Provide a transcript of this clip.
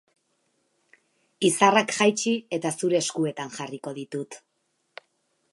Izarrak jaitsi eta zure eskuetan jarriko ditut.